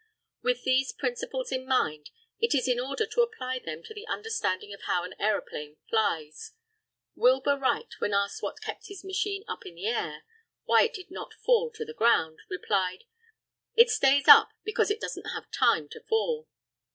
With these principles in mind, it is in order to apply them to the understanding of how an aeroplane flies. Wilbur Wright, when asked what kept his machine up in the air why it did not fall to the ground replied: "It stays up because it doesn't have time to fall."